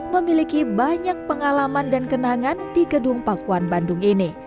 memiliki banyak pengalaman dan kenangan di gedung pakuan bandung ini